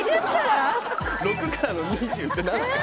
６からの２０って何ですか。